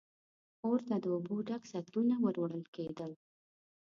اور ته د اوبو ډک سطلونه ور وړل کېدل.